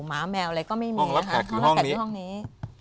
หมาแมวอะไรก็ไม่มีห้องรับแขกคือห้องนี้